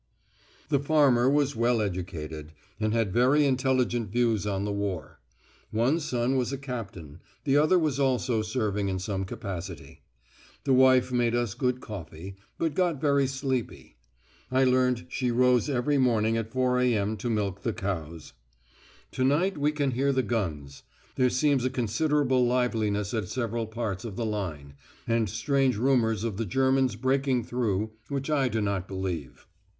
The farmer was well educated, and had very intelligent views on the war; one son was a captain; the other was also serving in some capacity. The wife made us good coffee, but got very sleepy. I learnt she rose every morning at 4.0 a.m. to milk the cows. To night we can hear the guns. There seems a considerable liveliness at several parts of the line, and strange rumours of the Germans breaking through, which I do not believe.